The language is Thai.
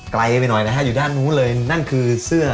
ไกลไปหน่อยนะฮะอยู่ด้านนู้นเลยนั่นคือเสื้อ